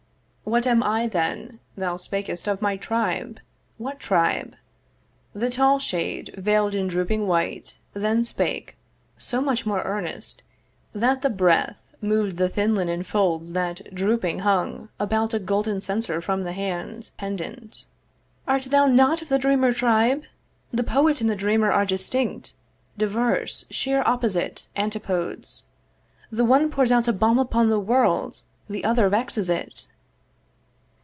'What am I then? Thou spakest of my tribe: 'What tribe?' The tall shade veil'd in drooping white Then spake, so much more earnest, that the breath Moved the thin linen folds that drooping hung About a golden censer from the hand Pendent. 'Art thou not of the dreamer tribe? 'The poet and the dreamer are distinct, 'Diverse, sheer opposite, antipodes. 'The one pours out a balm upon the world, 'The other vexes it.'